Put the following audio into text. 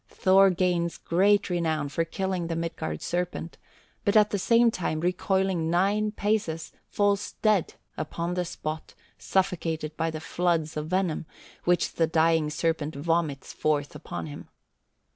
Thor gains great renown for killing the Midgard serpent, but at the same time, recoiling nine paces, falls dead upon the spot suffocated by the floods of venom which the dying serpent vomits forth upon him.